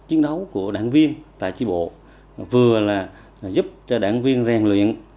chiến đấu của đảng viên tại tri bộ vừa là giúp cho đảng viên rèn luyện